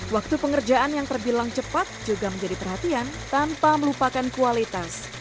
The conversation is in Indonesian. waktu pengerjaan yang terbilang cepat juga menjadi perhatian tanpa melupakan kualitas